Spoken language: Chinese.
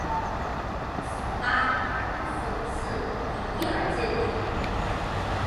此吧因嘲讽李毅而建立。